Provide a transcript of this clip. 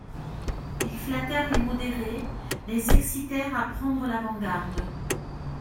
Ils flattèrent les modérés, les excitèrent à prendre l'avant-garde.